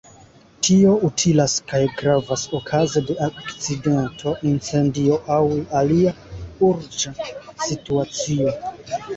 Tio utilas kaj gravas okaze de akcidento, incendio aŭ alia urĝa situacio.